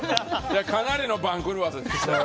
かなりの番狂わせでしたよ。